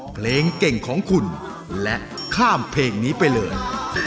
เพลงเก่งของคุณและข้ามเพลงนี้ไปเลย